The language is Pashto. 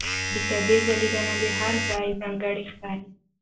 د کعبې ځلېدنه له هر زاویې ځانګړې ښکاري.